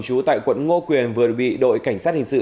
trú tại quận ngô quyền vừa bị đội cảnh sát hình sự